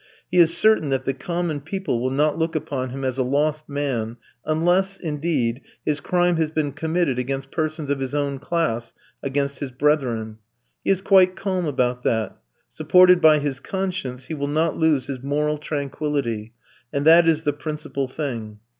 He is certain that the common people will not look upon him as a lost man, unless, indeed, his crime has bean committed against persons of his own class, against his brethren. He is quite calm about that; supported by his conscience, he will not lose his moral tranquillity, and that is the principal thing.